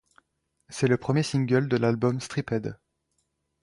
C'est le premier single de l'album Stripped.